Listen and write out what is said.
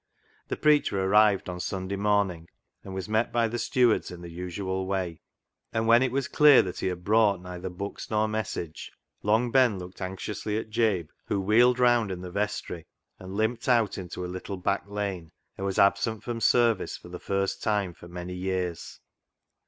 The preacher arrived on Sunday morning, "THE ZEAL OF THINE HOUSE" 287 and was met by the stewards in the usual way , and when it was clear that he had brought neither books nor message, Long Ben looked anxiously at Jabe, who wheeled round in the vestry and limped out into a little back lane, and was absent from service for the first time for many years.